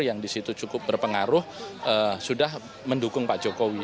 yang disitu cukup berpengaruh sudah mendukung pak jokowi